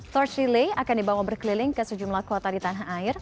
torch relay akan dibawa berkeliling ke sejumlah kota di tanah air